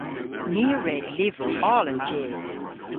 Ni a red lyvrow oll an jydh.